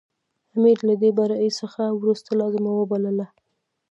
امیر له دې بري څخه وروسته لازمه وبلله.